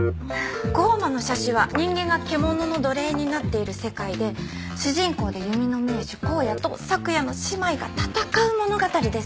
『降魔の射手』は人間が獣の奴隷になっている世界で主人公で弓の名手光矢と咲耶の姉妹が闘う物語です。